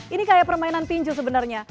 ini kayak permainan tinju sebenarnya